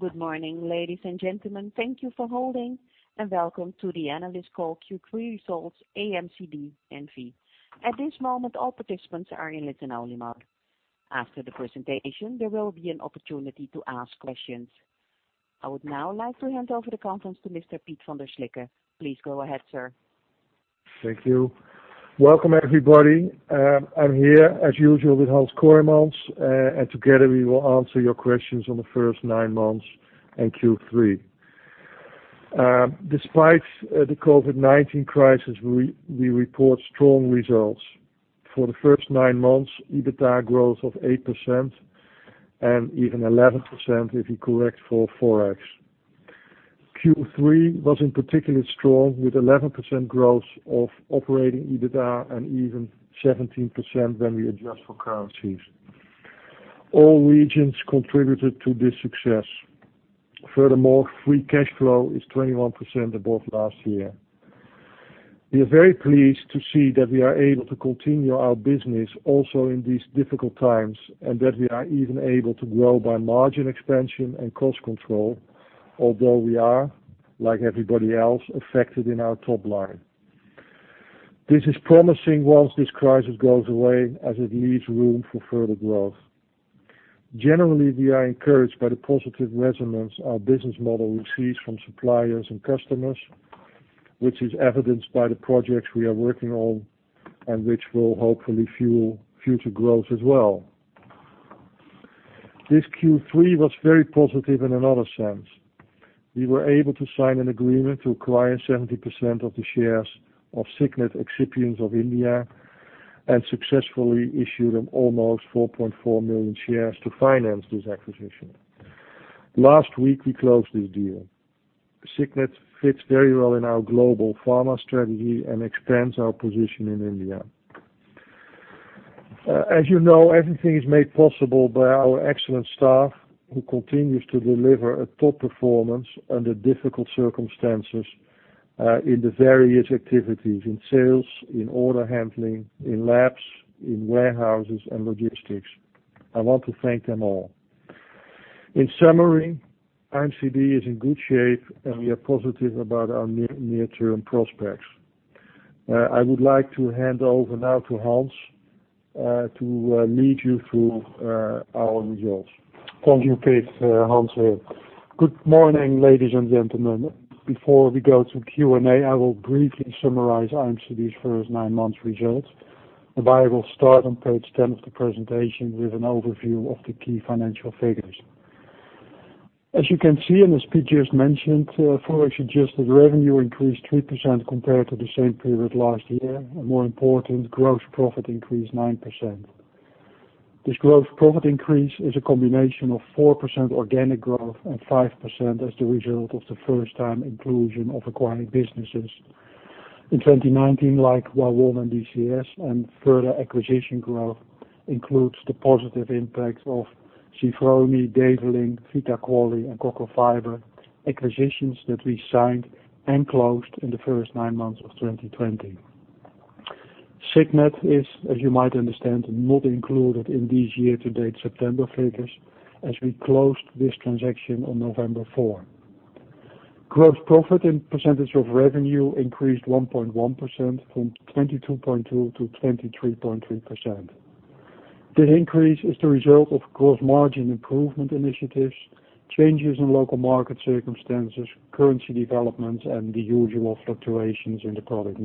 Good morning, ladies and gentlemen. Thank you for holding and welcome to the analyst call Q3 results IMCD N.V. At this moment, all participants are in listen-only mode. After the presentation, there will be an opportunity to ask questions. I would now like to hand over the conference to Mr. Piet van der Slikke. Please go ahead, sir. Thank you. Welcome, everybody. I'm here, as usual, with Hans Kooijmans, and together we will answer your questions on the first nine months and Q3. Despite the COVID-19 crisis, we report strong results. For the first nine months, EBITDA growth of 8% and even 11% if you correct for Forex. Q3 was particularly strong, with 11% growth of operating EBITDA and even 17% when we adjust for currencies. All regions contributed to this success. Furthermore, free cash flow is 21% above last year. We are very pleased to see that we are able to continue our business also in these difficult times, and that we are even able to grow by margin expansion and cost control, although we are, like everybody else, affected in our top line. This is promising once this crisis goes away as it leaves room for further growth. Generally, we are encouraged by the positive resonance our business model receives from suppliers and customers, which is evidenced by the projects we are working on and which will hopefully fuel future growth as well. This Q3 was very positive in another sense. We were able to sign an agreement to acquire 70% of the shares of Signet Excipients of India and successfully issue them almost 4.4 million shares to finance this acquisition. Last week, we closed this deal. Signet fits very well in our global pharma strategy and expands our position in India. As you know, everything is made possible by our excellent staff, who continues to deliver a top performance under difficult circumstances, in the various activities, in sales, in order handling, in labs, in warehouses and logistics. I want to thank them all. In summary, IMCD is in good shape and we are positive about our near-term prospects. I would like to hand over now to Hans to lead you through our results. Thank you, Piet. Hans here. Good morning, ladies and gentlemen. Before we go to Q&A, I will briefly summarize IMCD's first nine months results. We will start on page 10 of the presentation with an overview of the key financial figures. As you can see, and as Piet just mentioned, Forex suggested revenue increased 3% compared to the same period last year. More important, gross profit increased 9%. This gross profit increase is a combination of 4% organic growth and 5% as the result of the first-time inclusion of acquiring businesses. In 2019, like Whawon and DCS and further acquisition growth includes the positive impact of Zifroni, Develing, VitaQualy and Kokko-Fiber, acquisitions that we signed and closed in the first nine months of 2020. Signet is, as you might understand, not included in these year-to-date September figures, as we closed this transaction on November 4. Gross profit in percentage of revenue increased 1.1% from 22.2% to 23.3%. This increase is the result of gross margin improvement initiatives, changes in local market circumstances, currency developments, and the usual fluctuations in the product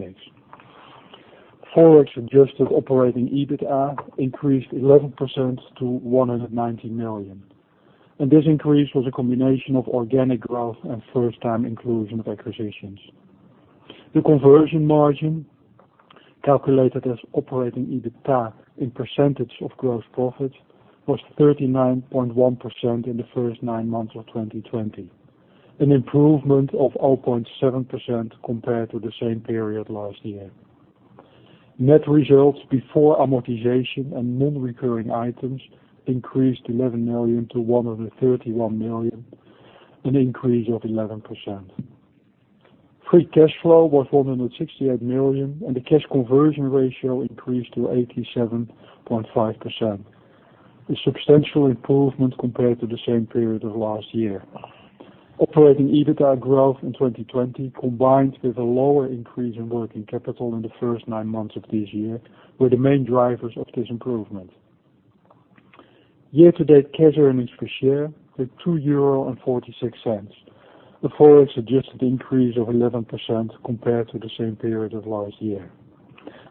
mix. Forex-adjusted operating EBITDA increased 11% to 190 million. This increase was a combination of organic growth and first-time inclusion of acquisitions. The conversion margin, calculated as operating EBITDA in percentage of gross profit, was 39.1% in the first nine months of 2020, an improvement of 0.7% compared to the same period last year. Net results before amortization and non-recurring items increased 11 million to 131 million, an increase of 11%. Free cash flow was 168 million and the cash conversion ratio increased to 87.5%. A substantial improvement compared to the same period of last year. Operating EBITDA growth in 2020, combined with a lower increase in working capital in the first nine months of this year, were the main drivers of this improvement. Year-to-date cash earnings per share hit 2.46. The Forex suggested increase of 11% compared to the same period of last year.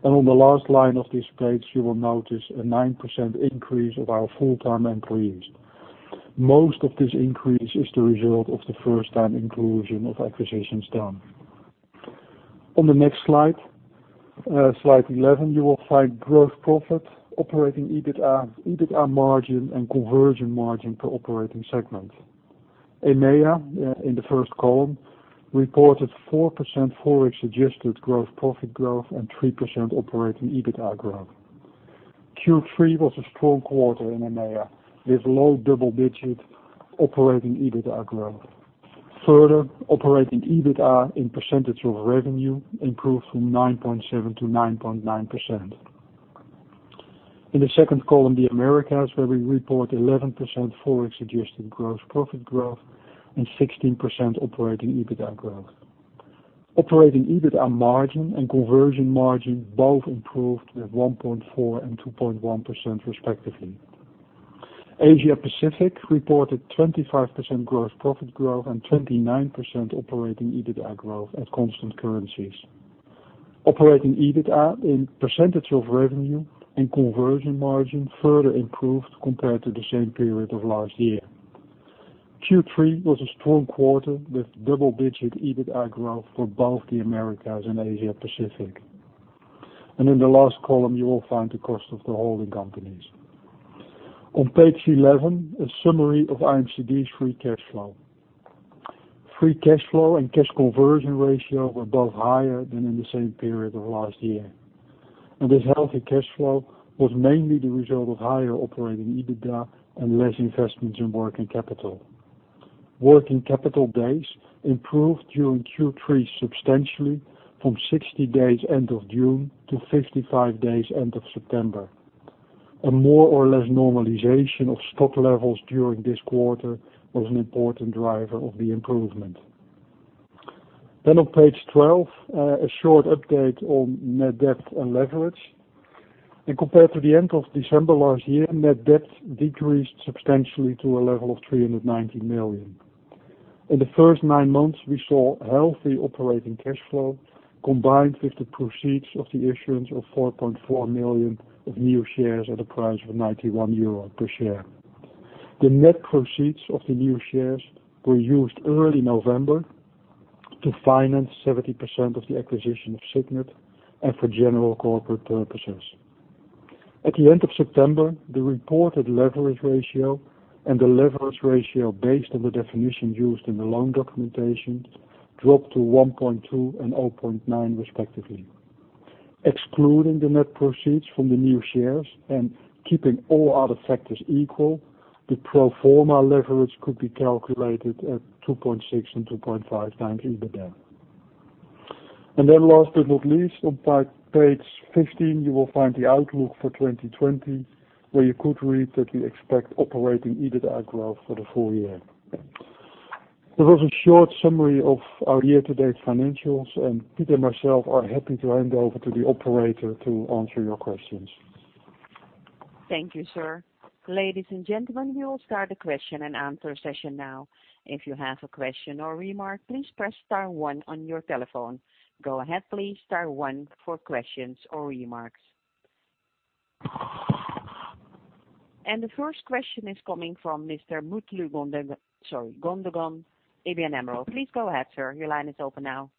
On the last line of this page, you will notice a 9% increase of our full-time employees. Most of this increase is the result of the first-time inclusion of acquisitions done. On the next slide 11, you will find gross profit, operating EBITDA margin, and conversion margin per operating segment. EMEA, in the first column, reported 4% Forex-adjusted gross profit growth and 3% operating EBITDA growth. Q3 was a strong quarter in EMEA, with low double-digit operating EBITDA growth. Further, operating EBITDA in % of revenue improved from 9.7% to 9.9%. In the second column, the Americas, where we report 11% Forex-adjusted gross profit growth and 16% operating EBITDA growth. Operating EBITDA margin and conversion margin both improved with 1.4% and 2.1% respectively. Asia Pacific reported 25% gross profit growth and 29% operating EBITDA growth at constant currencies. Operating EBITDA in % of revenue and conversion margin further improved compared to the same period of last year. Q3 was a strong quarter with double-digit EBITDA growth for both the Americas and Asia Pacific. In the last column, you will find the cost of the holding companies. On page 11, a summary of IMCD's free cash flow. Free cash flow and cash conversion ratio were both higher than in the same period of last year. This healthy cash flow was mainly the result of higher operating EBITDA and less investments in working capital. Working capital days improved during Q3 substantially from 60 days end of June to 55 days end of September. A more or less normalization of stock levels during this quarter was an important driver of the improvement. On page 12, a short update on net debt and leverage. Compared to the end of December last year, net debt decreased substantially to a level of 390 million. In the first nine months, we saw healthy operating cash flow combined with the proceeds of the issuance of 4.4 million of new shares at a price of 91 euro per share. The net proceeds of the new shares were used early November to finance 70% of the acquisition of Signet and for general corporate purposes. At the end of September, the reported leverage ratio and the leverage ratio based on the definition used in the loan documentation dropped to 1.2 and 0.9, respectively. Excluding the net proceeds from the new shares and keeping all other factors equal, the pro forma leverage could be calculated at 2.6 and 2.5 times EBITDA. Last but not least, on page 15, you will find the outlook for 2020, where you could read that we expect operating EBITDA growth for the full year. That was a short summary of our year-to-date financials, and Piet and myself are happy to hand over to the operator to answer your questions. Thank you, sir. Ladies and gentlemen, we will start the question and answer session now. If you have a question or remark, please press star one on your telephone. Go ahead please, star one for questions or remarks. The first question is coming from Mr. Mutlu, sorry, Gündoğan, ABN AMRO. Please go ahead, sir. Your line is open now.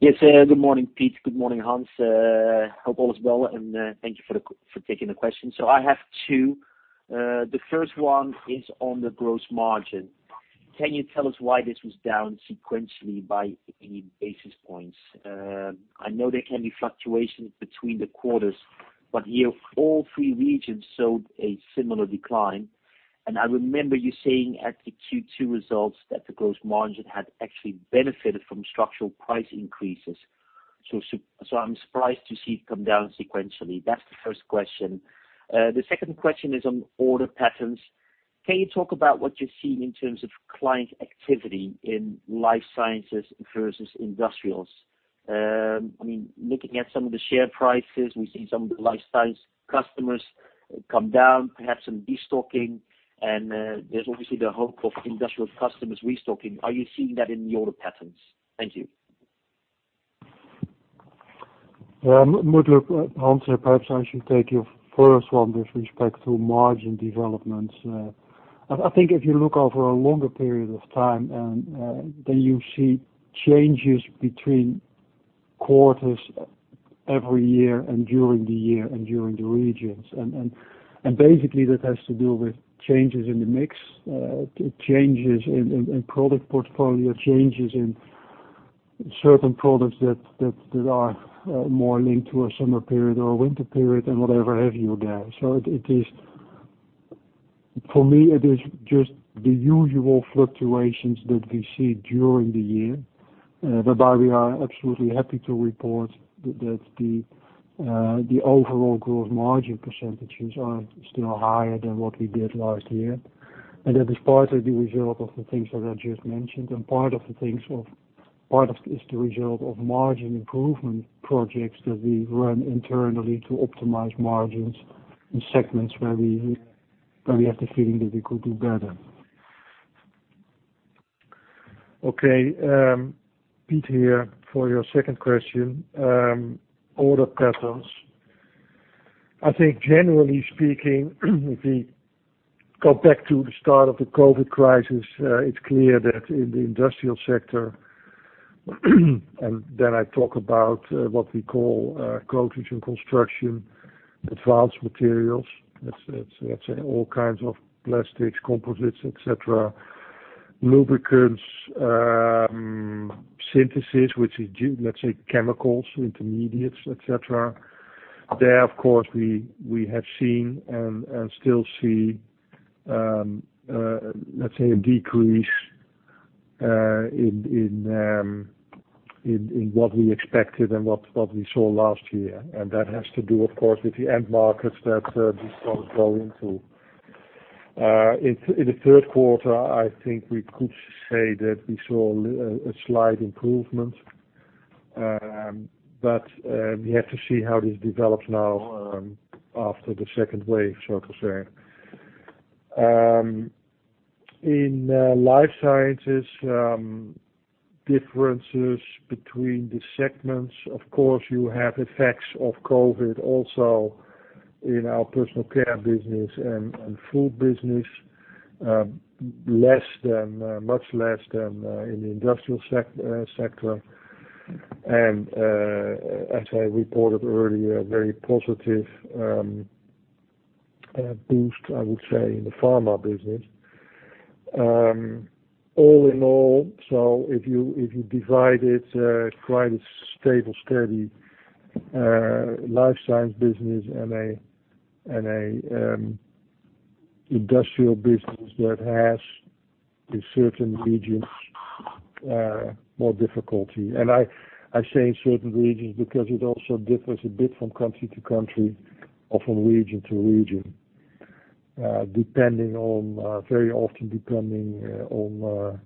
Yes. Good morning, Piet. Good morning, Hans. Hope all is well, and thank you for taking the question. I have two. The first one is on the gross margin. Can you tell us why this was down sequentially by 15 basis points? I know there can be fluctuations between the quarters, but here all three regions showed a similar decline. I remember you saying at the Q2 results that the gross margin had actually benefited from structural price increases. I'm surprised to see it come down sequentially. That's the first question. The second question is on order patterns. Can you talk about what you're seeing in terms of client activity in life sciences versus industrials? Looking at some of the share prices, we see some of the life science customers come down, perhaps some destocking, and there's obviously the hope of industrial customers restocking. Are you seeing that in the order patterns? Thank you. Mutlu, Hans here. Perhaps I should take your first one with respect to margin developments. I think if you look over a longer period of time, then you see changes between quarters every year and during the year and during the regions. Basically, that has to do with changes in the mix, changes in product portfolio, changes in certain products that are more linked to a summer period or a winter period or whatever have you there. For me, it is just the usual fluctuations that we see during the year, whereby we are absolutely happy to report that the overall gross margin % are still higher than what we did last year. That is partly the result of the things that I just mentioned, and part of it is the result of margin improvement projects that we run internally to optimize margins in segments where we have the feeling that we could do better. Okay. Piet here for your second question. Order patterns. I think generally speaking, if we go back to the start of the COVID-19 crisis, it's clear that in the industrial sector, and then I talk about what we call coatings and construction, advanced materials, let's say all kinds of plastics, composites, et cetera, lubricants, synthesis, which is let's say chemicals, intermediates, et cetera. There, of course, we have seen and still see, let's say a decrease In what we expected and what we saw last year. That has to do, of course, with the end markets that these products go into. In the third quarter, I think we could say that we saw a slight improvement. We have to see how this develops now after the second wave, so to say. In life sciences, differences between the segments, of course, you have effects of COVID-19 also in our personal care business and food business, much less than in the industrial sector. As I reported earlier, a very positive boost, I would say, in the pharma business. All in all, if you divide it, quite a stable, steady life science business and a industrial business that has, in certain regions, more difficulty. I say in certain regions, because it also differs a bit from country to country or from region to region, very often depending on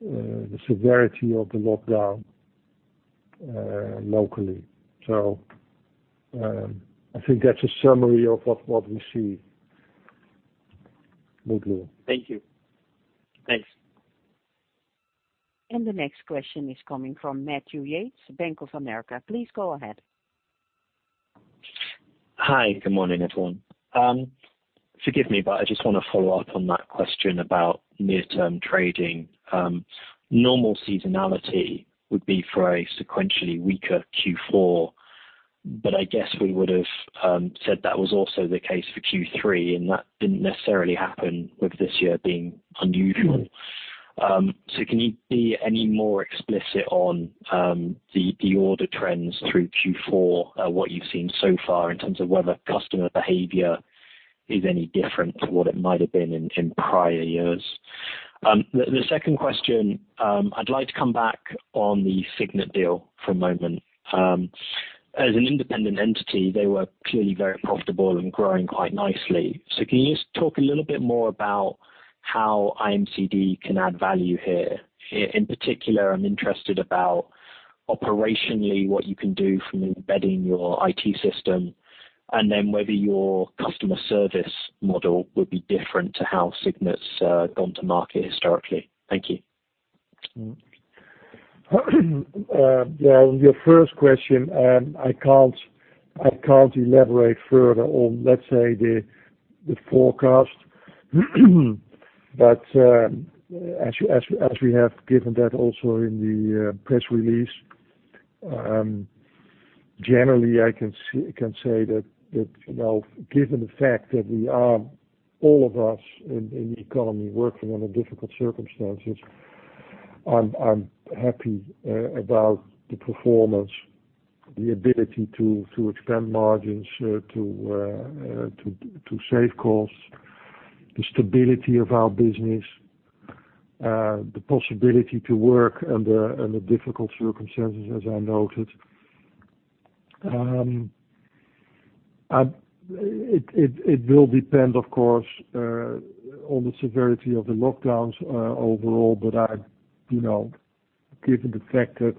the severity of the lockdown locally. I think that's a summary of what we see. Luke Liu. Thank you. Thanks. The next question is coming from Matthew Yates, Bank of America. Please go ahead. Hi, good morning, everyone. Forgive me, I just want to follow up on that question about near-term trading. Normal seasonality would be for a sequentially weaker Q4, I guess we would have said that was also the case for Q3, and that didn't necessarily happen with this year being unusual. Can you be any more explicit on the order trends through Q4, what you've seen so far in terms of whether customer behavior is any different to what it might have been in prior years? The second question, I'd like to come back on the Signet deal for a moment. As an independent entity, they were clearly very profitable and growing quite nicely. Can you just talk a little more about how IMCD can add value here? In particular, I'm interested about operationally what you can do from embedding your IT system. Whether your customer service model would be different to how Signet's gone to market historically. Thank you. On your first question, I can't elaborate further on, let's say, the forecast. As we have given that also in the press release, generally, I can say that, given the fact that we are, all of us in the economy, working under difficult circumstances, I'm happy about the performance, the ability to expand margins, to save costs, the stability of our business, the possibility to work under difficult circumstances, as I noted. It will depend, of course, on the severity of the lockdowns overall, but given the fact that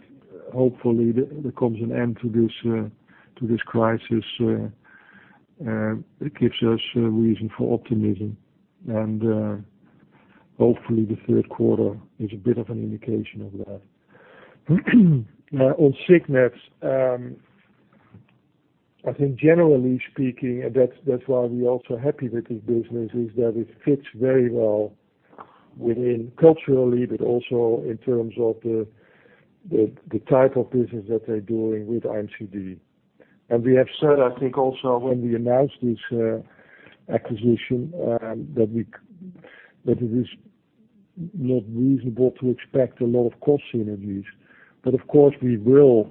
hopefully there comes an end to this crisis, it gives us reason for optimism. Hopefully, the third quarter is a bit of an indication of that. On Signet, I think generally speaking, that's why we're also happy with this business, is that it fits very well within culturally, but also in terms of the type of business that they're doing with IMCD. We have said, I think also when we announced this acquisition, that it is not reasonable to expect a lot of cost synergies. Of course, we will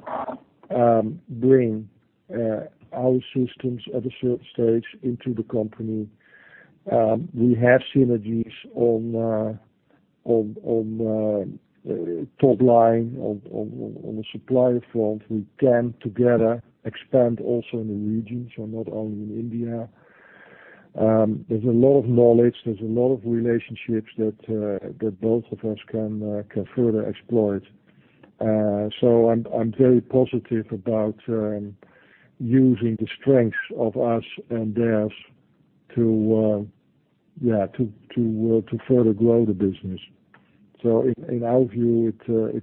bring our systems at a certain stage into the company. We have synergies on top line, on the supplier front. We can together expand also in the regions or not only in India. There's a lot of knowledge, there's a lot of relationships that both of us can further explore it. I'm very positive about using the strengths of us and theirs to further grow the business. In our view, it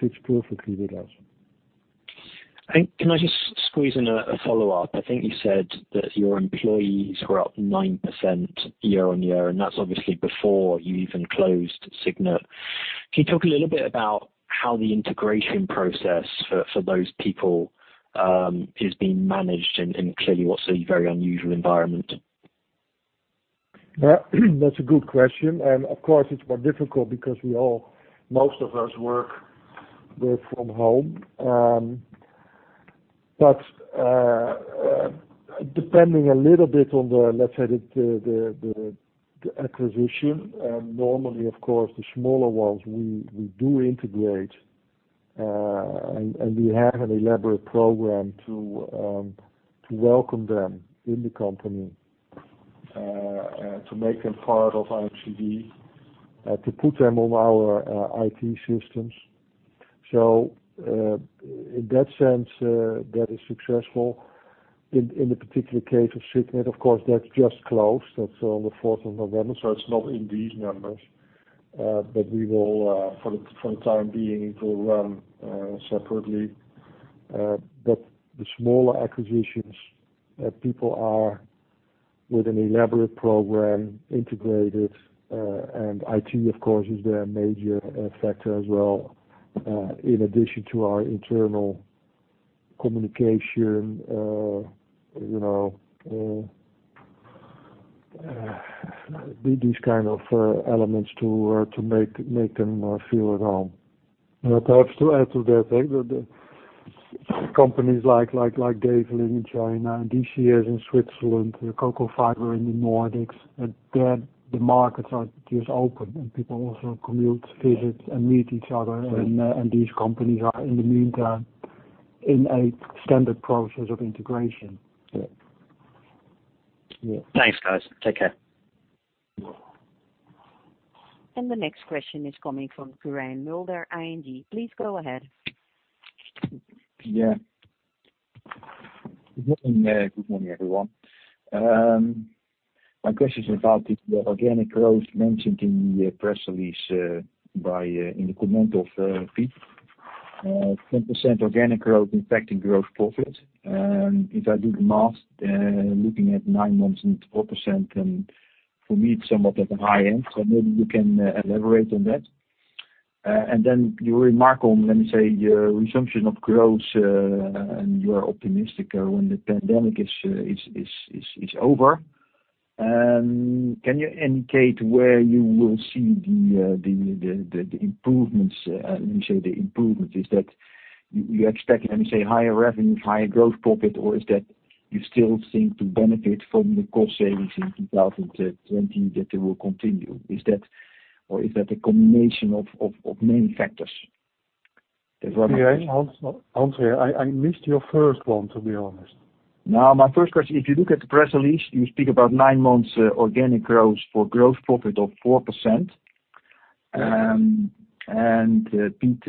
fits perfectly with us. Can I just squeeze in a follow-up? I think you said that your employees were up 9% year-on-year, and that's obviously before you even closed Signet. Can you talk a little bit about how the integration process for those people is being managed in clearly what's a very unusual environment? That's a good question, and of course, it's more difficult because most of us work from home. Depending a little bit on the, let's say, the acquisition. Normally, of course, the smaller ones we do integrate, and we have an elaborate program to welcome them in the company, to make them part of IMCD, to put them on our IT systems. In that sense, that is successful. In the particular case of Signet, of course, that's just closed. That's on the 4th of November, so it's not in these numbers. For the time being, it will run separately. The smaller acquisitions, people are, with an elaborate program, integrated. IT, of course, is the major factor as well, in addition to our internal communication. These kind of elements to make them feel at home. I have to add to that the companies like Develing in China, DCS Pharma in Switzerland, Kokko-Fiber in the Nordics, there the markets are just open, and people also commute, visit, and meet each other. These companies are, in the meantime, in a standard process of integration. Yes. Thanks, guys. Take care. The next question is coming from Quirijn Mulder, ING. Please go ahead. Good morning, everyone. My question is about the organic growth mentioned in the press release in the comment of Piet. 10% organic growth impacting gross profit. If I do the math, looking at nine months and 4%, for me, it's somewhat at the high end. Maybe you can elaborate on that. Then you remark on, let me say, your resumption of growth, and you are optimistic when the pandemic is over. Can you indicate where you will see the improvements? When you say the improvements, is that you're expecting, let me say, higher revenues, higher gross profit, or is that you still think to benefit from the cost savings in 2020, that they will continue? Is that a combination of many factors? Quirijn, I missed your first one, to be honest. My first question, if you look at the press release, you speak about 9 months organic growth for gross profit of 4%. Piet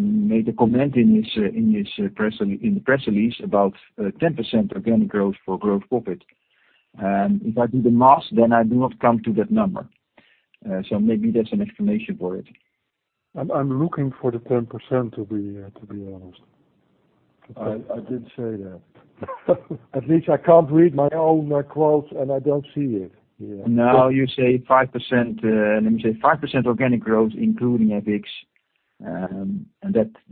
made a comment in the press release about 10% organic growth for gross profit. If I do the math, I do not come to that number. Maybe there's an explanation for it. I'm looking for the 10%, to be honest. I didn't say that. At least I can't read my own quotes, and I don't see it. No, you say 5%, let me say 5% organic growth, including acquisitions.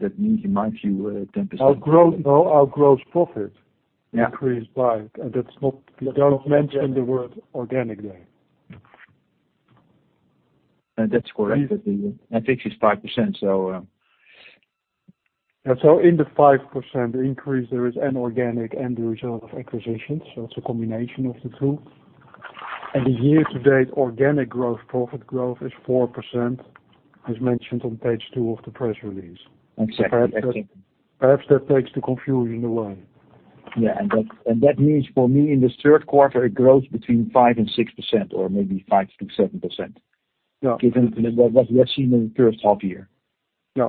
That means, in my view, 10%. Our gross profit increased by, and that's not mentioning the word organic there. That's correct. Epix is 5%. In the 5% increase, there is an organic and the result of acquisitions, so it's a combination of the two. The year-to-date organic growth, profit growth is 4%, as mentioned on page two of the press release. Exactly. Perhaps that takes the confusion away. That means for me, in this third quarter, a growth between 5% and 6%, or maybe 5%-7%. Yeah. Given what we have seen in the first half of the year. Yeah.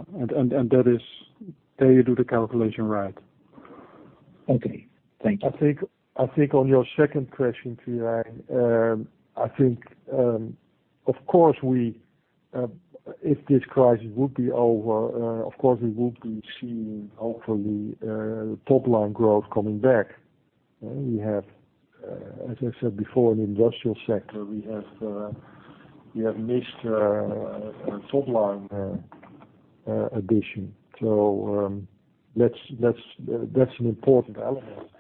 There you do the calculation right. Okay. Thank you. I think on your second question, Quirijn, I think, if this crisis would be over, of course, we would be seeing, hopefully, top-line growth coming back. We have, as I said before, an industrial sector. We have missed a top-line addition. That's an important element.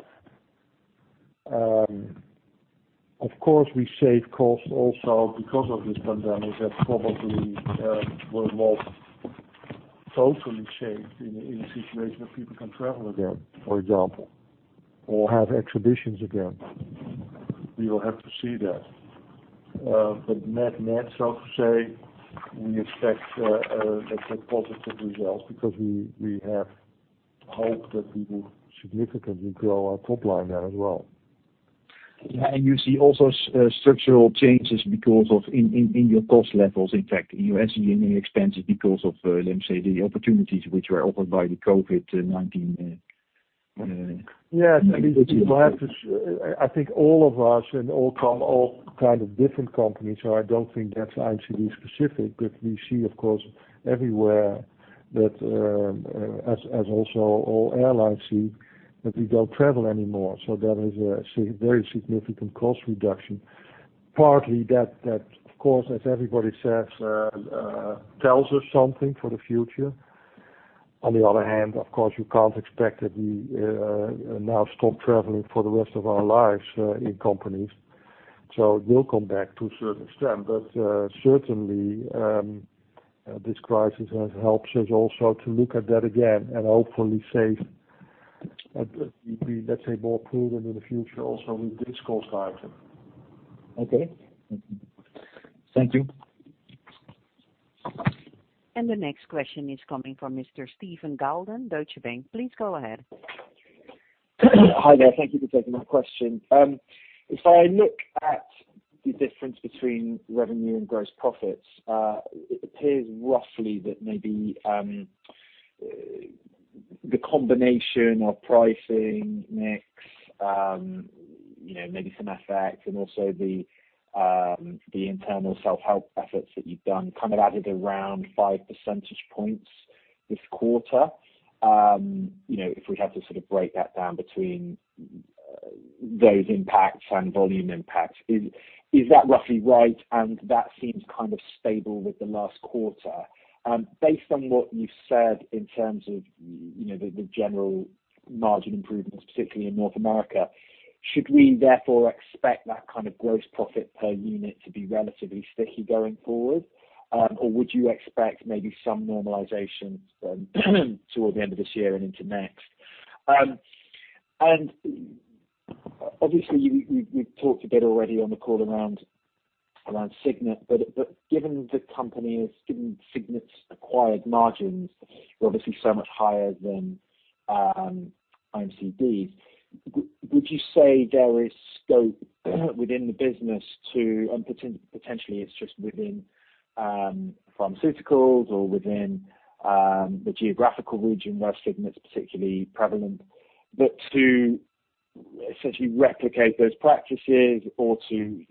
Of course, we save costs also because of this pandemic that probably will not totally change in a situation where people can travel again, for example, or have exhibitions again. We will have to see that. Net, so to say, we expect a positive result because we have hope that we will significantly grow our top line there as well. Yeah, you see also structural changes in your cost levels. In fact, you are seeing an expense because of, let me say, the opportunities which were offered by the COVID-19. Yes. I think all of us in all kind of different companies, so I don't think that's IMCD specific, but we see, of course, everywhere that, as also all airlines see, that we don't travel anymore. There is a very significant cost reduction. Partly that, of course, as everybody says, tells us something for the future. On the other hand, of course, you can't expect that we now stop traveling for the rest of our lives in companies. It will come back to a certain extent, but certainly, this crisis has helped us also to look at that again and hopefully save, let's say, more prudent in the future also with this cost item. Okay. Thank you. The next question is coming from Mr. Stephen Golden, Deutsche Bank. Please go ahead. Hi there. Thank you for taking my question. If I look at the difference between revenue and gross profits, it appears roughly that maybe the combination of pricing mix, maybe some FX and also the internal self-help efforts that you've done, added around five percentage points this quarter. If we had to sort of break that down between those impacts and volume impacts, is that roughly right? That seems stable with the last quarter. Based on what you've said in terms of the general margin improvements, specifically in North America, should we therefore expect that kind of gross profit per unit to be relatively sticky going forward? Would you expect maybe some normalization toward the end of this year and into next? Obviously, we've talked a bit already on the call around Signet, but given the company, given Signet's acquired margins are obviously so much higher than IMCD's, would you say there is scope within the business to, and potentially it's just within pharmaceuticals or within the geographical region where Signet's particularly prevalent, but to essentially replicate those practices or to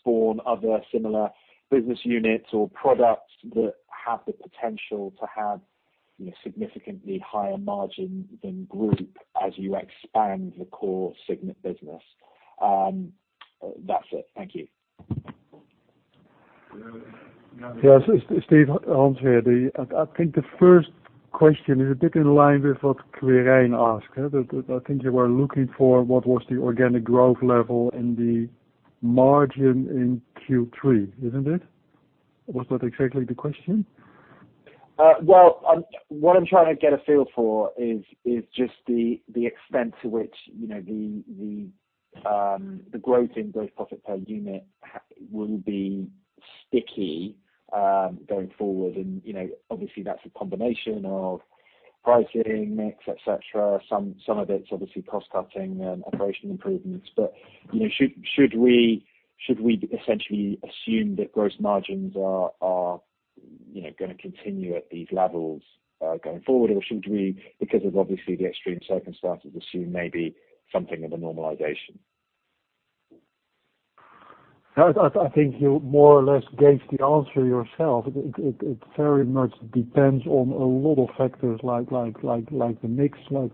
spawn other similar business units or products that have the potential to have significantly higher margin than group as you expand the core Signet business? That's it. Thank you. Yes. Steve, Hans here. I think the first question is a bit in line with what Quirine asked. I think you were looking for what was the organic growth level in the margin in Q3, isn't it? Was that exactly the question? Well, what I'm trying to get a feel for is just the extent to which the growth in gross profit per unit will be sticky, going forward. Obviously, that's a combination of pricing, mix, et cetera. Some of it's obviously cost cutting and operational improvements. Should we essentially assume that gross margins are going to continue at these levels going forward? Should we, because of obviously the extreme circumstances, assume maybe something of a normalization? I think you more or less gave the answer yourself. It very much depends on a lot of factors like the mix, like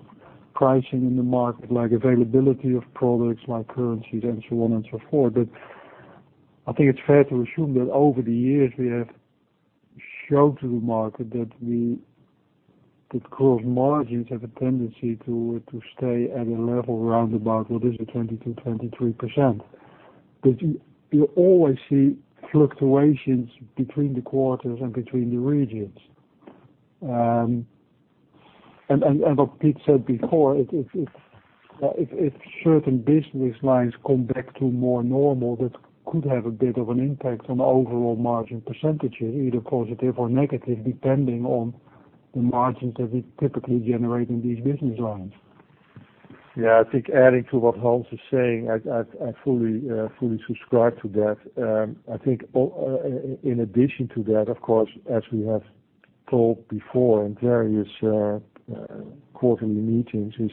pricing in the market, like availability of products, like currencies, and so on and so forth. I think it's fair to assume that over the years, we have showed to the market that gross margins have a tendency to stay at a level around about what is it, 22%-23%. You always see fluctuations between the quarters and between the regions. What Piet said before, if certain business lines come back to more normal, that could have a bit of an impact on overall margin percentages, either positive or negative, depending on the margins that we typically generate in these business lines. I think adding to what Hans is saying, I fully subscribe to that. I think in addition to that, of course, as we have told before in various quarterly meetings, is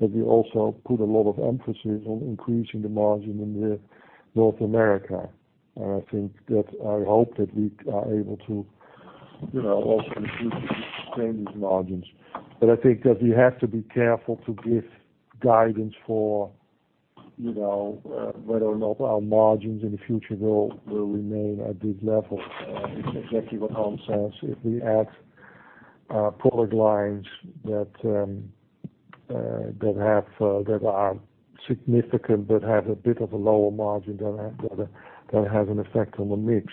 that we also put a lot of emphasis on increasing the margin in North America. I hope that we are able to also improve and sustain these margins. I think that we have to be careful to give guidance for whether or not our margins in the future will remain at this level. It's exactly what Hans says. If we add product lines that are significant, that have a bit of a lower margin, that have an effect on the mix.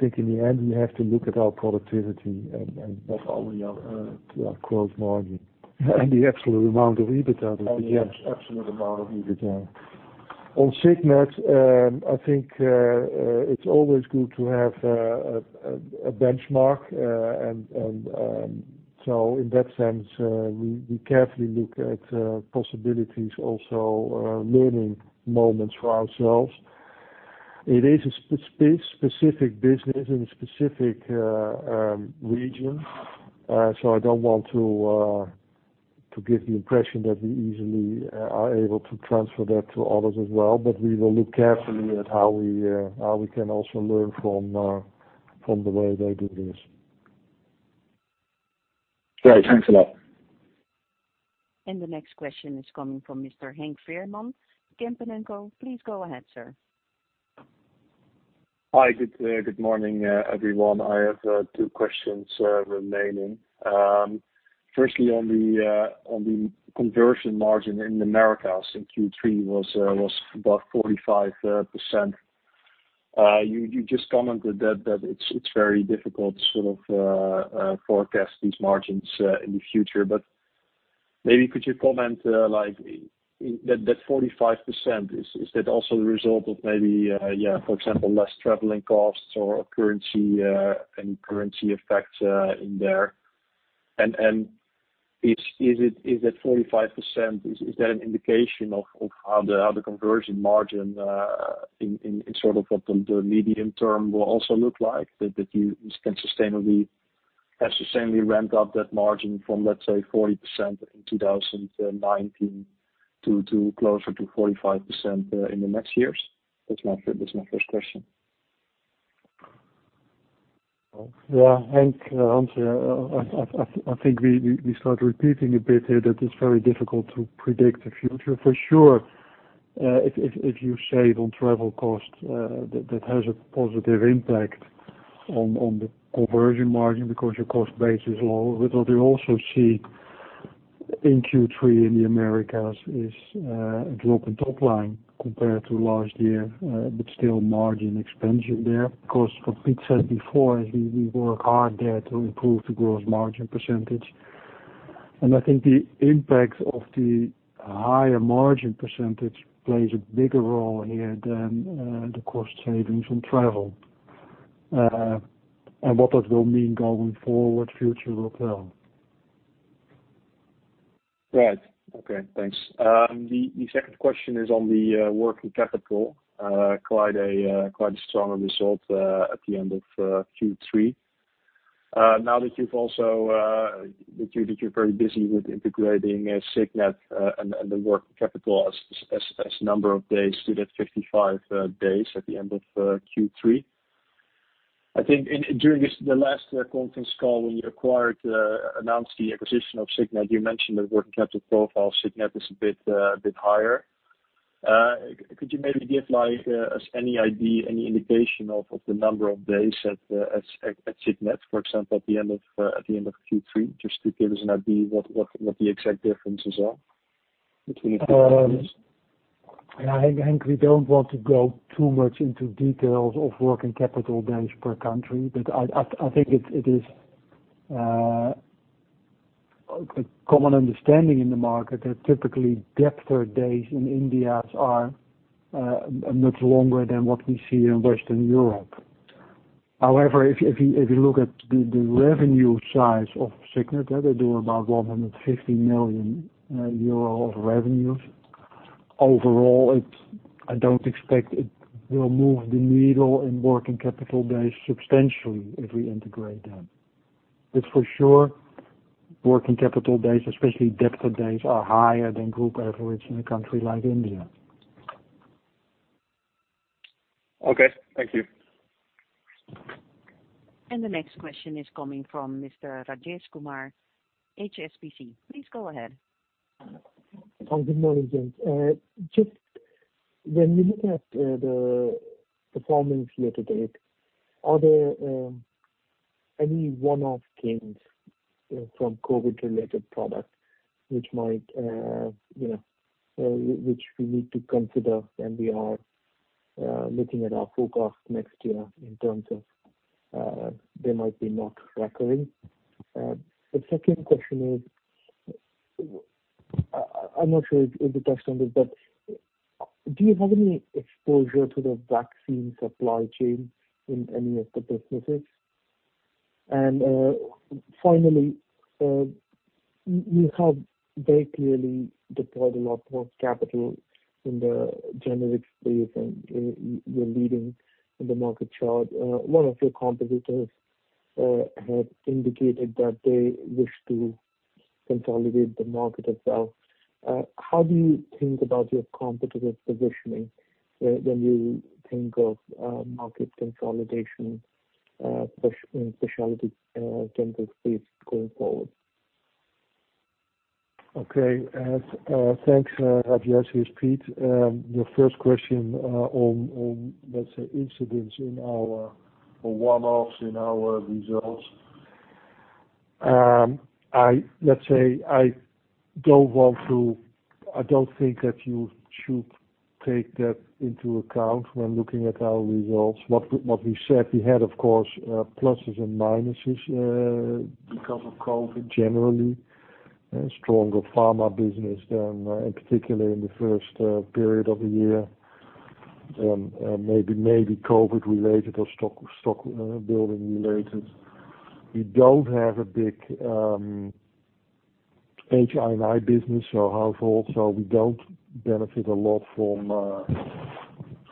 In the end, we have to look at our productivity and, as always, our conversion margin. The absolute amount of EBITDA at the end. The absolute amount of EBITDA. On Signet, I think it's always good to have a benchmark. In that sense, we carefully look at possibilities also, learning moments for ourselves. It is a specific business in a specific region. I don't want to give the impression that we easily are able to transfer that to others as well. We will look carefully at how we can also learn from the way they do this. Great. Thanks a lot. The next question is coming from Mr. Henk Veerman, Kempen & Co. Please go ahead, sir. Hi. Good morning, everyone. I have two questions remaining. Firstly, on the conversion margin in the Americas in Q3 was about 45%. You just commented that it's very difficult to forecast these margins in the future. Maybe could you comment, that 45%, is that also the result of maybe, for example, less traveling costs or currency and currency effects in there? Is that 45%, is that an indication of how the conversion margin in sort of what the medium term will also look like, that you can sustainably ramp up that margin from, let's say, 40% in 2019 to closer to 45% in the next years? That's my first question. Yeah. Henk, Hans here. I think we start repeating a bit here that it's very difficult to predict the future. For sure, if you save on travel costs, that has a positive impact on the conversion margin because your cost base is lower. What we also see in Q3 in the Americas is a drop in top line compared to last year, but still margin expansion there. What Piet said before is we work hard there to improve the gross margin percentage. I think the impact of the higher margin percentage plays a bigger role here than the cost savings on travel. What that will mean going forward, future will tell. Right. Okay, thanks. The second question is on the working capital. Quite a strong result at the end of Q3. Now that you're very busy with integrating Signet and the working capital as number of days, you did 55 days at the end of Q3. I think during the last conference call when you announced the acquisition of Signet, you mentioned the working capital profile of Signet is a bit higher. Could you maybe give us any idea, any indication of the number of days at Signet, for example, at the end of Q3, just to give us an idea what the exact differences are between the two companies? Henk, we don't want to go too much into details of working capital days per country. I think it is a common understanding in the market that typically debtor days in India are much longer than what we see in Western Europe. However, if you look at the revenue size of Signet, they do about 150 million euro of revenues. Overall, I don't expect it will move the needle in working capital days substantially if we integrate them. For sure, working capital days, especially debtor days, are higher than group average in a country like India. Okay. Thank you. The next question is coming from Mr. Rajesh Kumar, HSBC. Please go ahead. Good morning, gents. Just when we look at the performance year to date, are there any one-off gains from COVID-19-related product which we need to consider when we are looking at our forecast next year in terms of they might be not recurring? The second question is, I'm not sure if you touched on this, but do you have any exposure to the vaccine supply chain in any of the businesses? Finally, you have very clearly deployed a lot more capital in the generics space and you're leading in the market chart. One of your competitors had indicated that they wish to consolidate the market as well. How do you think about your competitive positioning when you think of market consolidation in specialty generics space going forward? Okay. Thanks, Rajesh. Here's Piet. Your first question on, let's say, incidents in our one-offs in our results. Let's say, I don't think that you should take that into account when looking at our results. What we said, we had, of course, pluses and minuses because of COVID generally, stronger pharma business there, and particularly in the first period of the year, maybe COVID related or stock building related. We don't have a big H&I business or household, we don't benefit a lot from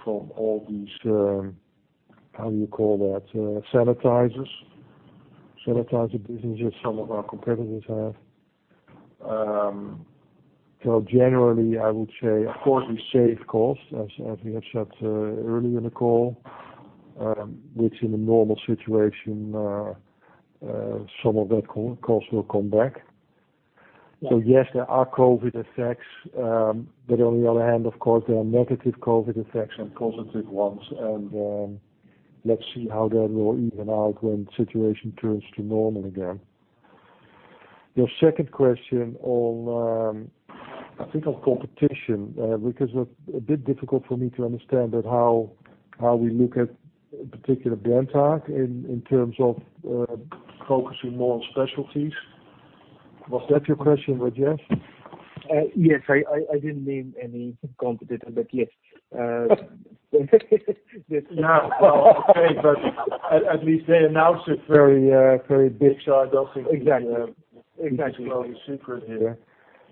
all these, how you call that, sanitizers. Sanitizer businesses some of our competitors have. Generally, I would say, of course, we save costs, as we have said earlier in the call, which in a normal situation, some of that cost will come back. Yes, there are COVID effects. On the other hand, of course, there are negative COVID effects and positive ones. Let's see how that will even out when the situation turns to normal again. Your second question on, I think, on competition, because it was a bit difficult for me to understand how we look at a particular Brenntag in terms of focusing more on specialties. Was that your question, Rajesh? Yes. I didn't name any competitor, but yes. Well, okay. At least they announced it very big. Exactly A big, global secret here.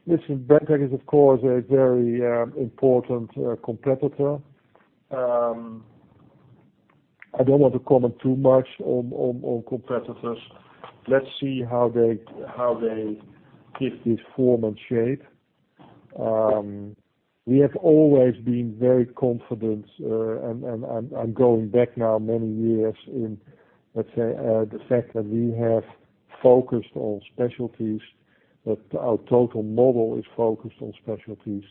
Listen, Brenntag is, of course, a very important competitor. I don't want to comment too much on competitors. Let's see how they give this form and shape. We have always been very confident, and I'm going back now many years in, let's say, the fact that we have focused on specialties, that our total model is focused on specialties.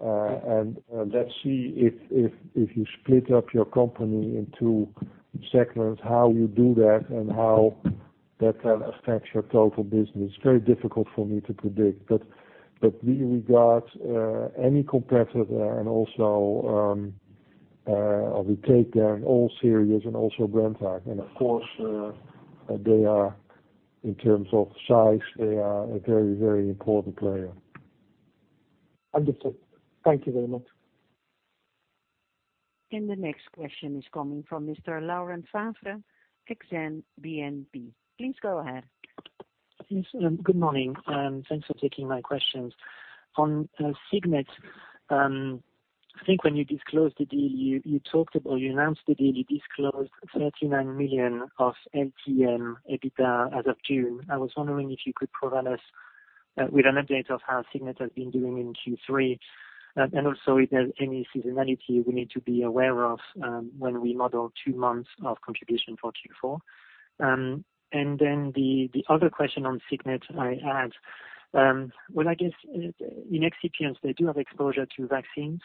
Let's see if you split up your company in two segments, how you do that, and how that will affect your total business. Very difficult for me to predict. We regard any competitor and also, we take them all serious and also Brenntag. Of course, in terms of size, they are a very important player. Understood. Thank you very much. The next question is coming from Mr. Laurent Favre, Exane BNP. Please go ahead. Yes, good morning. Thanks for taking my questions. On Signet, I think when you disclosed the deal, you announced the deal, you disclosed 39 million of LTM EBITDA as of June. I was wondering if you could provide us with an update of how Signet has been doing in Q3, also if there's any seasonality we need to be aware of when we model two months of contribution for Q4. The other question on Signet I had, well, I guess in excipients, they do have exposure to vaccines.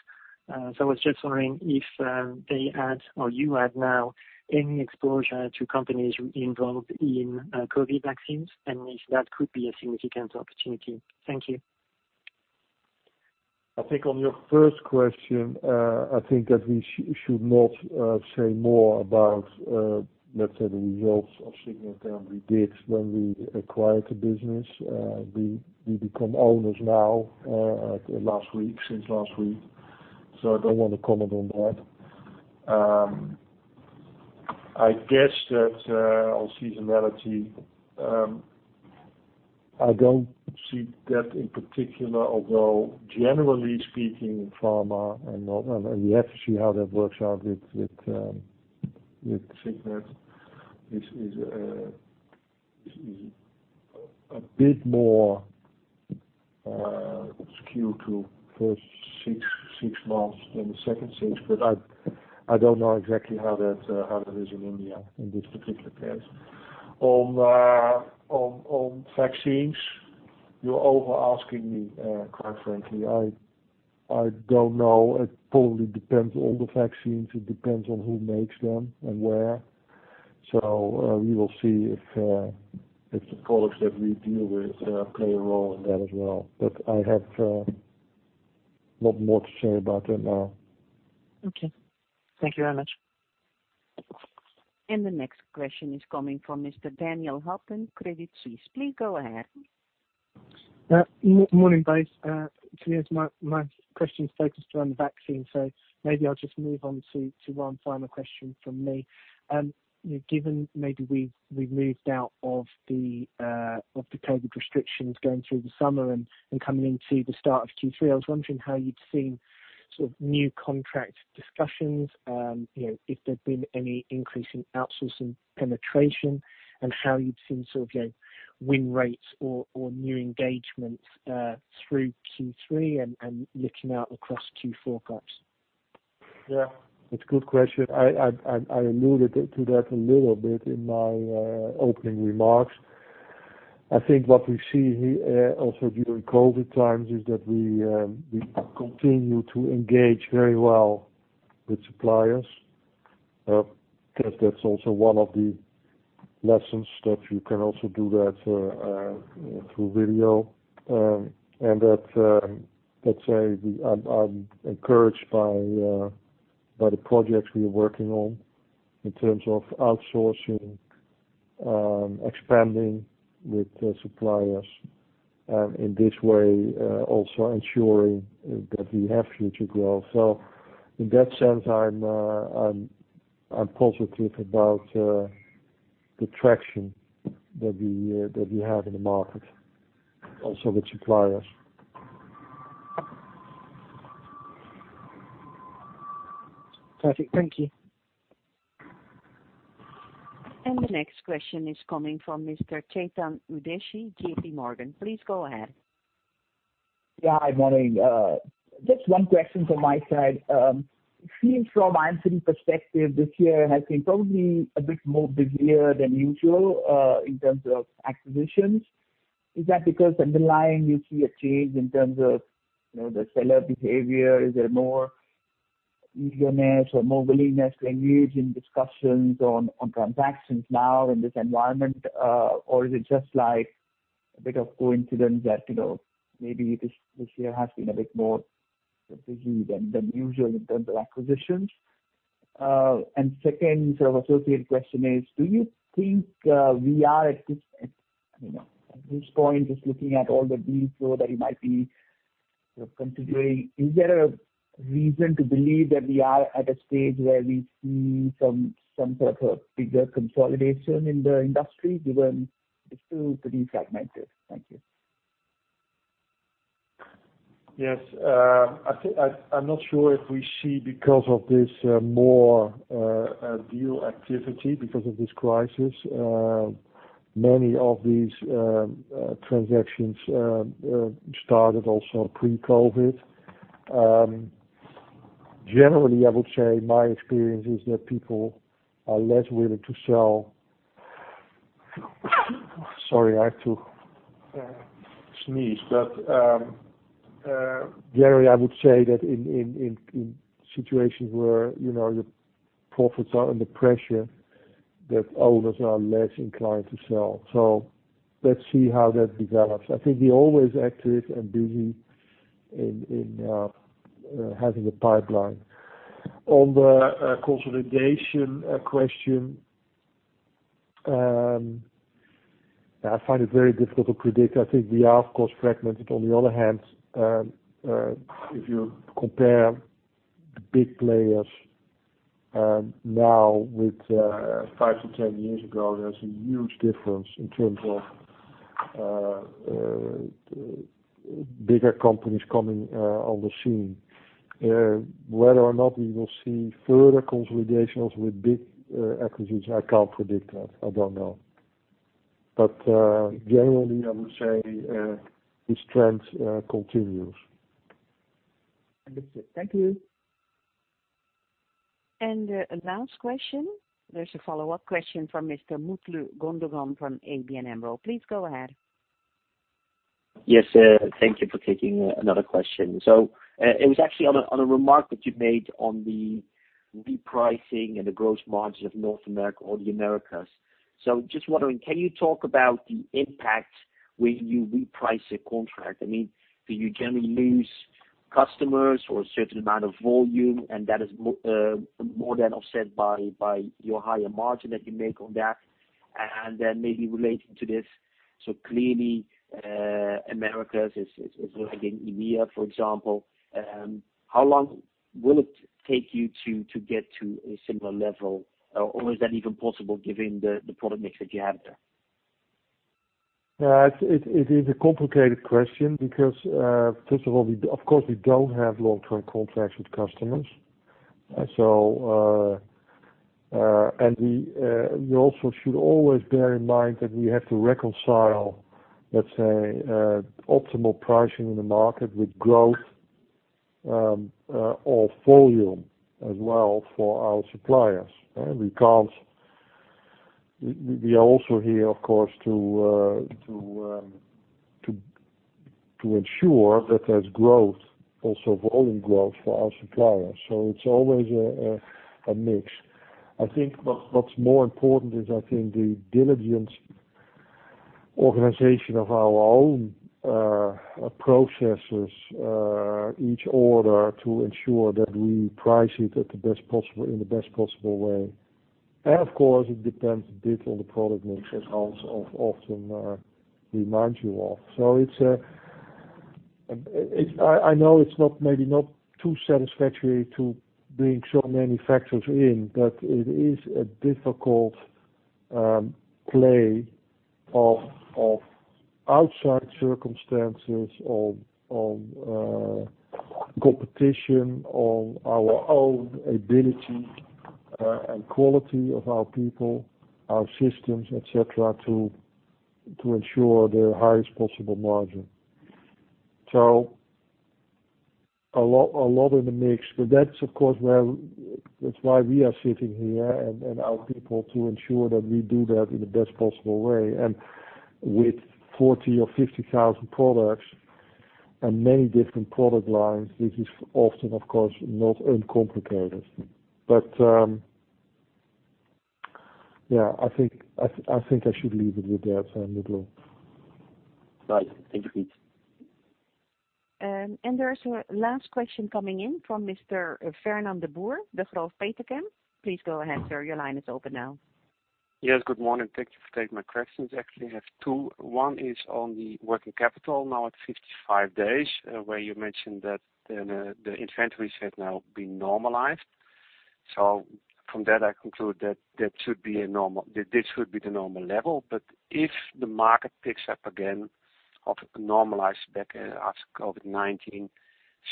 I was just wondering if they had, or you have now any exposure to companies involved in COVID vaccines if that could be a significant opportunity. Thank you. I think on your first question, I think that we should not say more about, let's say, the results of Signet than we did when we acquired the business. We become owners now, last week, since last week. I don't want to comment on that. I guess that on seasonality, I don't see that in particular, although generally speaking, in pharma and all, and we have to see how that works out with Signet. It is a bit more skewed to first six months than the second six, but I don't know exactly how that is in India in this particular case. On vaccines, you're over asking me, quite frankly. I don't know. It probably depends on the vaccines, it depends on who makes them and where. We will see if the products that we deal with play a role in that as well. I have not more to share about that now. Okay. Thank you very much. The next question is coming from Mr. Daniel Huppan, Credit Suisse. Please go ahead. Morning, guys. Clearly my question is focused around the vaccine, so maybe I'll just move on to one final question from me. Given maybe we've moved out of the COVID restrictions going through the summer and coming into the start of Q3, I was wondering how you'd seen sort of new contract discussions, if there'd been any increase in outsourcing penetration and how you'd seen sort of your win rates or new engagements through Q3 and looking out across Q4 perhaps. Yeah, it's a good question. I alluded to that a little bit in my opening remarks. I think what we see also during COVID-19 times is that we continue to engage very well with suppliers, because that's also one of the lessons that you can also do that through video. That, let's say I'm encouraged by the projects we are working on in terms of outsourcing, expanding with suppliers, and in this way, also ensuring that we have future growth. In that sense, I'm positive about the traction that we have in the market also with suppliers. Perfect. Thank you. The next question is coming from Mr. Chetan Udeshi, J.P. Morgan. Please go ahead. Yeah. Hi, morning. Just one question from my side. Seems from IMCD perspective, this year has been probably a bit more busier than usual, in terms of acquisitions. Is that because underlying you see a change in terms of the seller behavior? Is there more eagerness or more willingness to engage in discussions on transactions now in this environment? Is it just a bit of coincidence that maybe this year has been a bit more busy than usual in terms of acquisitions. Second sort of associate question is, do you think we are at this point, just looking at all the deal flow that you might be considering, is there a reason to believe that we are at a stage where we see some sort of a bigger consolidation in the industry, given it's still pretty fragmented? Thank you. Yes. I'm not sure if we see, because of this, more deal activity because of this crisis. Many of these transactions started also pre-COVID. Generally, I would say my experience is that people are less willing to sell. Sorry, I had to sneeze. Generally, I would say that in situations where your profits are under pressure, that owners are less inclined to sell. Let's see how that develops. I think we're always active and busy in having a pipeline. On the consolidation question, I find it very difficult to predict. I think we are, of course, fragmented. On the other hand, if you compare the big players now with five to 10 years ago, there's a huge difference in terms of bigger companies coming on the scene. Whether or not we will see further consolidations with big equities, I can't predict that. I don't know. Generally, I would say this trend continues. That's it. Thank you. Last question. There's a follow-up question from Mr. Mutlu Gündoğan from ABN AMRO. Please go ahead. Yes. Thank you for taking another question. It was actually on a remark that you made on the repricing and the gross margin of North America or the Americas. Just wondering, can you talk about the impact when you reprice a contract? Do you generally lose customers or a certain amount of volume, and that is more than offset by your higher margin that you make on that? Maybe relating to this, clearly, Americas is working, EMEA, for example. How long will it take you to get to a similar level? Or is that even possible given the product mix that you have there? It is a complicated question because, first of all, of course, we don't have long-term contracts with customers. You also should always bear in mind that we have to reconcile, let's say, optimal pricing in the market with growth, or volume as well for our suppliers. We are also here, of course, to ensure that there's growth, also volume growth for our suppliers. It's always a mix. I think what's more important is I think the diligent organization of our own processes, each order to ensure that we price it in the best possible way. Of course, it depends a bit on the product mix, as Hans often reminds you of. I know it's maybe not too satisfactory to bring so many factors in, but it is a difficult play of outside circumstances, of competition, of our own ability and quality of our people, our systems, et cetera, to ensure the highest possible margin. A lot in the mix, but that's of course why we are sitting here and our people to ensure that we do that in the best possible way. With 40,000 or 50,000 products and many different product lines, this is often, of course, not uncomplicated. Yeah, I think I should leave it with that, Mutlu. Right. Thank you, Piet. There's a last question coming in from Mr. Fernand de Boer, Degroof Petercam. Please go ahead, sir. Your line is open now. Yes. Good morning. Thank you for taking my questions. Actually, I have two. One is on the working capital now at 55 days, where you mentioned that the inventories have now been normalized. From that, I conclude that this should be the normal level, but if the market picks up again, normalized back after COVID-19,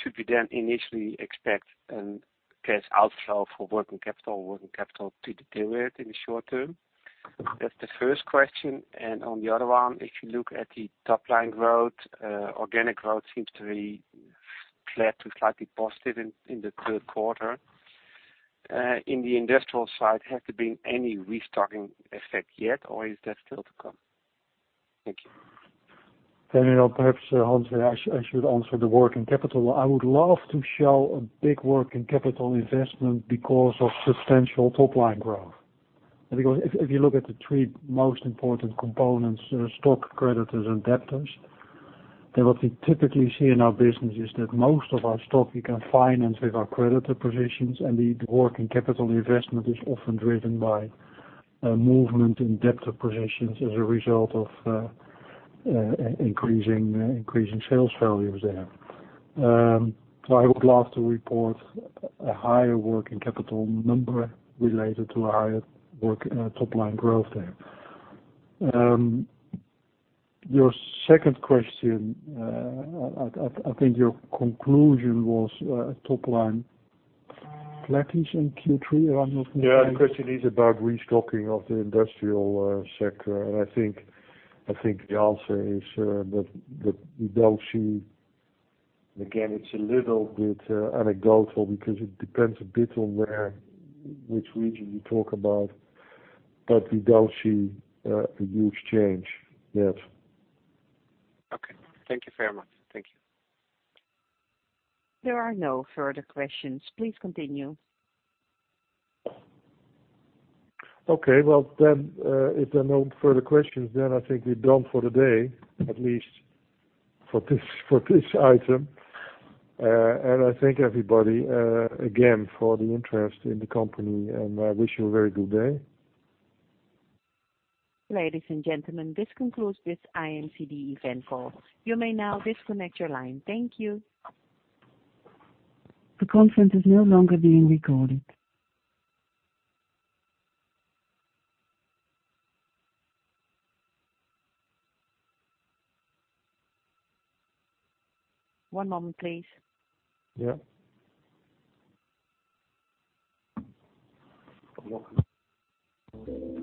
should we then initially expect a cash outflow for working capital or working capital to deteriorate in the short term? That's the first question. On the other one, if you look at the top-line growth, organic growth seems to be flat to slightly positive in the third quarter. In the industrial side, has there been any restocking effect yet, or is that still to come? Thank you. Daniel, perhaps, Hans, I should answer the working capital. I would love to show a big working capital investment because of substantial top-line growth. If you look at the three most important components, stock, creditors, and debtors, then what we typically see in our business is that most of our stock we can finance with our creditor positions, and the working capital investment is often driven by movement in debtor positions as a result of increasing sales values there. I would love to report a higher working capital number related to a higher top-line growth there. Your second question, I think your conclusion was top-line flattish in Q3. Yeah, the question is about restocking of the industrial sector. I think the answer is that we don't see, again, it's a little bit anecdotal because it depends a bit on which region you talk about, but we don't see a huge change yet. Okay. Thank you very much. Thank you. There are no further questions. Please continue. Okay, if there are no further questions, then I think we're done for the day, at least for this item. I thank everybody again for the interest in the company, and I wish you a very good day. Ladies and gentlemen, this concludes this IMCD event call. You may now disconnect your line. Thank you. The conference is no longer being recorded. One moment, please. Yeah. Welcome.